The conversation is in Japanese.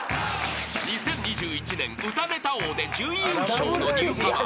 ［２０２１年歌ネタ王で準優勝のニューカマー］